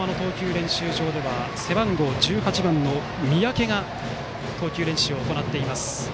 練習場では背番号１８番、三宅が投球練習を行っています。